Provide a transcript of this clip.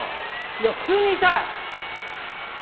いや普通に痛い！